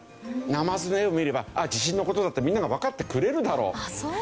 ナマズの絵を見れば地震の事だってみんながわかってくれるだろう。